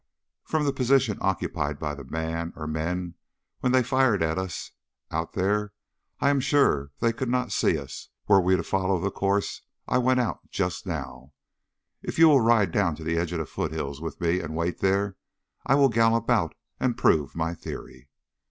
"From the position occupied by the man or men when they fired at us out there, I am sure they could not see us were we to follow the course I went out on just now. If you will ride down to the edge of the foothills with me and wait there, I will gallop out and prove my theory."